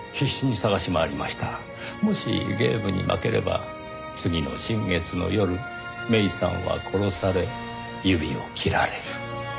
もしゲームに負ければ次の新月の夜芽依さんは殺され指を切られる。